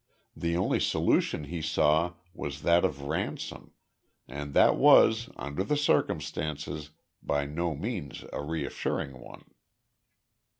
The only solution he saw was that of ransom, and that was, under the circumstances, by no means a reassuring one.